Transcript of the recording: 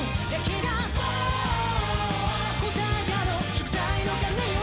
「祝祭の鐘よ